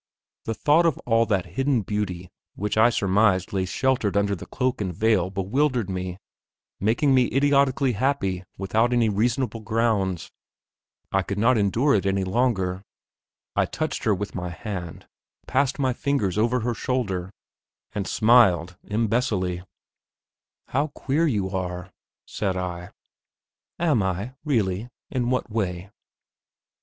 The thought of all the hidden beauty which I surmised lay sheltered under the cloak and veil bewildered me, making me idiotically happy without any reasonable grounds. I could not endure it any longer; I touched her with my hand, passed my fingers over her shoulder, and smiled imbecilely. "How queer you are," said I. "Am I, really; in what way?"